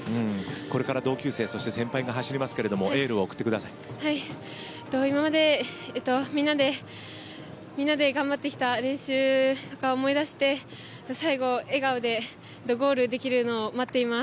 これから同級生先輩が走りますけれども今までみんなで頑張ってきた練習とか思い出して最後、笑顔でゴールできるのを待っています。